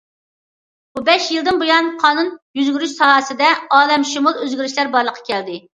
بۇ بەش يىلدىن بۇيان، قانۇن يۈرگۈزۈش ساھەسىدە ئالەمشۇمۇل ئۆزگىرىشلەر بارلىققا كەلدى.